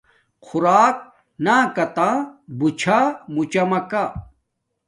خوراک ناکاتہ بوچھا موچامکہ